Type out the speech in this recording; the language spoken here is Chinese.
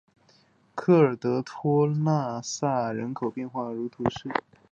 科尔德托洛萨纳人口变化图示